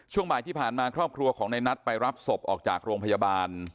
ช่วงบ่ายที่ผ่านมาครอบครัวของในนัทไปรับศพออกจากโรงพยาบาล